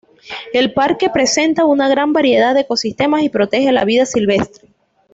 El parque presenta una gran variedad de ecosistemas y protege la vida silvestre.